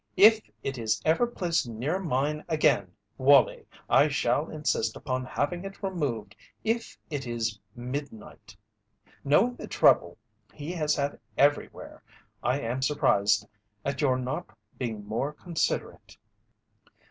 If it is ever placed near mine again, Wallie, I shall insist upon having it removed if it is midnight. Knowing the trouble he has had everywhere, I am surprised at your not being more considerate."